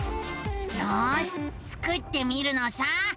よしスクってみるのさ。